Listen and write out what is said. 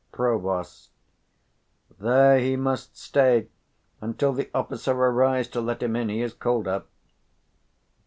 _ Prov. There he must stay until the officer Arise to let him in: he is call'd up.